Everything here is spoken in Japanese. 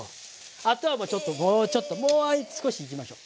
あとはもうちょっともうちょっともう少しいきましょう。